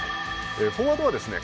フォワードはですね